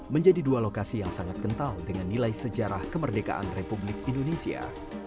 menjadi dua lokasi yang sangat kental dengan nilai sejarah kemerdekaan republik indonesia